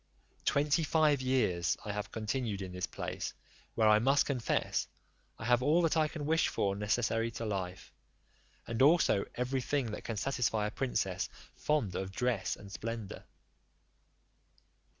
Twenty five years I have continued in this place, where, I must confess, I have all that I can wish for necessary to life, and also every thing that can satisfy a princess fond of dress and splendour.